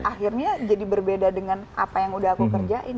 akhirnya jadi berbeda dengan apa yang udah aku kerjain